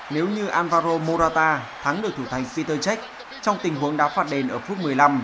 nếu như alvaro morata thắng được thủ thánh peter cech trong tình huống đáp phạt đền ở phút một mươi năm